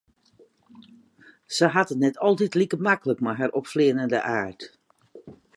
Se hat it net altyd like maklik mei har opfleanende aard.